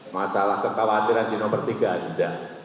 masalah kekhawatiran di nomor tiga ada